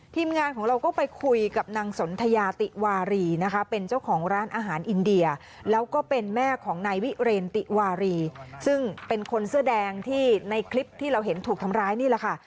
ทีมงานของเราก็ไปคุยกับนางสนทยาติวารีนะคะเป็นเจ้าของร้านอาหารอินเดียแล้วก็เป็นแม่ของนายวิเรนติวารีซึ่งเป็นคนเสื้อแดงที่ในคลิปที่เราเห็นถูกทำร้ายนี่แหละค่ะ